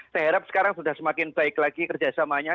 saya harap sekarang sudah semakin baik lagi kerjasamanya